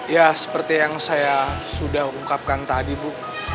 ya seperti yang saya sudah ungkapkan tadi bu